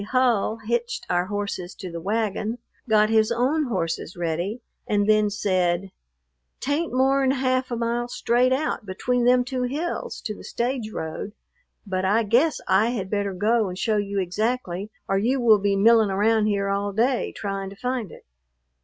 Hull hitched our horses to the wagon, got his own horses ready, and then said, "'T ain't more 'n half a mile straight out between them two hills to the stage road, but I guess I had better go and show you exactly, or you will be millin' around here all day, tryin' to find it."